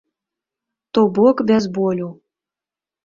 То бок без болю.